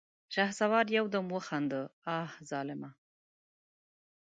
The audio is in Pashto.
شهسوار يودم وخندل: اه ظالمه!